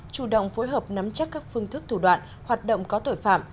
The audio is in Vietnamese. chủ động phối hợp nắm chắc các phương thức thủ đoạn hoạt động có tội phạm